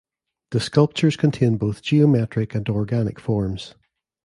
The sculptures contain both geometric and organic forms.